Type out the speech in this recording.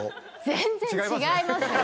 全然違いますよ